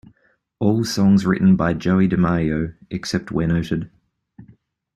All songs written by Joey DeMaio except where noted.